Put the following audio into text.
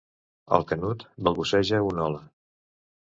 El Canut balbuceja un hola.